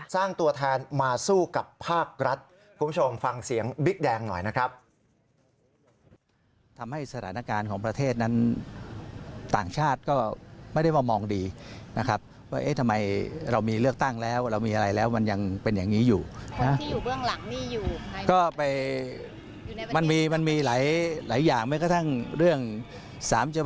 สร้างตัวแทนมาสู้กับภาครัฐคุณผู้ชมฟังเสียงบิ๊กแดงหน่อยนะครับ